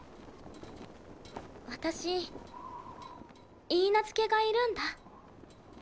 私許嫁がいるんだ。